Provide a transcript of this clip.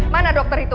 mana dokter itu